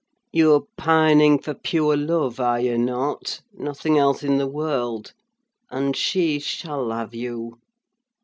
You're pining for pure love, are you not? nothing else in the world: and she shall have you!